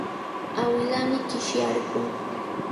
Awilaami qishyarqun.